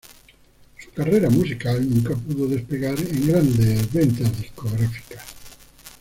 Su carrera musical nunca pudo despegar en grandes ventas discográficas.